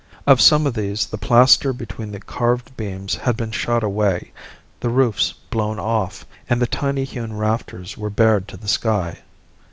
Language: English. Of some of these the plaster between the carved beams had been shot away, the roofs blown off, and the tiny hewn rafters were bared to the sky.